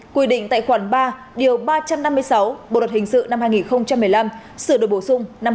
quy định tại khoản ba điều ba trăm năm mươi sáu bộ luật hình sự năm hai nghìn một mươi năm sửa đổi bổ sung năm hai nghìn một mươi bảy